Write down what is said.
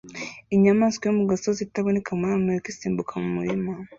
Inyamaswa yo mu gasozi itaboneka muri Amerika isimbuka mu murima